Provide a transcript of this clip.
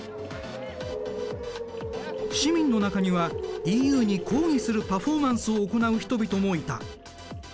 市民の中にはＥＵに抗議するパフォーマンスを行う人々もいた。